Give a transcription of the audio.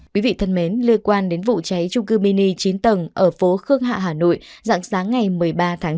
liên quan đến vụ cháy chung cư mini chín tầng ở phố khương hạ hà nội dặn sáng ngày một mươi ba tháng chín